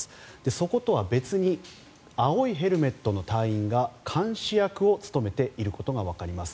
そことは別に青いヘルメットの隊員が監視役を務めていることがわかります。